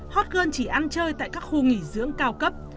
hot girl chỉ ăn chơi tại các khu nghỉ dưỡng cao cấp